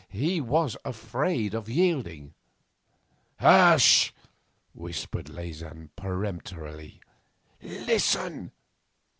He was afraid of yielding. 'Hush!' whispered Leysin peremptorily. 'Listen!